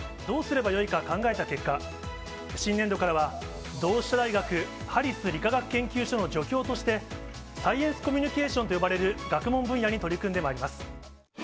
どうすればよいか考えた結果、新年度からは、同志社大学ハリス理化学研究所の助教として、サイエンスコミュニケーションと呼ばれる学問分野に取り組んでまいります。